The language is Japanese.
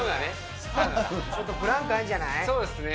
ちょっとブランクあるんじゃそうですね。